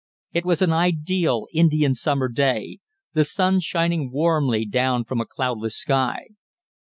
It was an ideal Indian summer day, the sun shining warmly down from a cloudless sky.